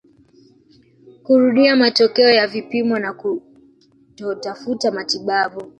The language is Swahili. kurudia matokeo ya vipimo na kutotafuta matibabu